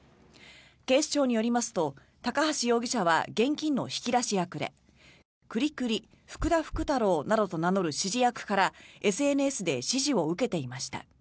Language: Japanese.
警視庁によりますと高橋容疑者は現金の引き出し役でクリクリ福田福太郎などと名乗る指示役からＳＮＳで指示を受けていました。